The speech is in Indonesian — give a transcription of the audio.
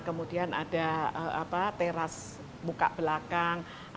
kemudian ada teras muka belakang